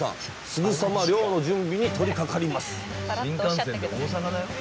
すぐさま漁の準備に取りかかります